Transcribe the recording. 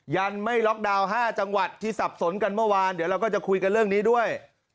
ยังไม่ล็อกดาวน์๕จังหวัดที่สับสนกันเมื่อวานเดี๋ยวเราก็จะคุยกันเรื่องนี้ด้วย